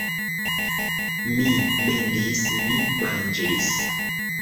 Mi mendis... mi manĝis